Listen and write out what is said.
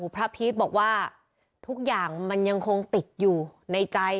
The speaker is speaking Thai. พีชบอกว่าทุกอย่างมันยังคงติดอยู่ในใจ